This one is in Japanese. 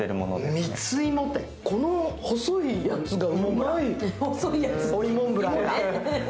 蜜芋って、この細いやつがうまい、追いモンブランが。